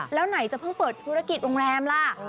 แล้วไหนจะเพิ่งเปิดธุรกิจโรงแรมล่ะ